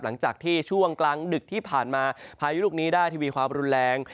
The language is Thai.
หลังจากที่ช่วงกลางดึกที่ผ่านมาพายุลูกนี้ได้ทีวีความรุนแรง